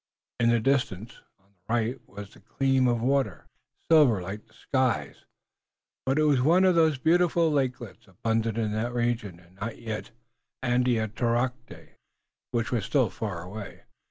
In the distance on the right was the gleam of water, silver like the skies, but it was one of the beautiful lakelets abundant in that region and not yet Andiatarocte, which was still far away.